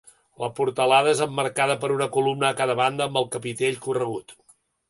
La portalada és emmarcada per una columna a cada banda amb el capitell corregut.